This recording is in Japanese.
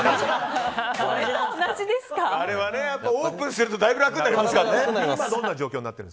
オープンするとだいぶ楽になりますからね。